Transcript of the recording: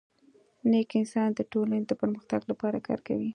نیک انسان د ټولني د پرمختګ لپاره کار کوي.